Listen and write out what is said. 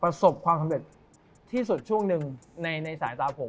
ประสบความสำเร็จที่สุดช่วงหนึ่งในสายตาผม